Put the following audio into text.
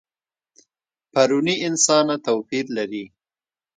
پروني انسانه توپیر لري.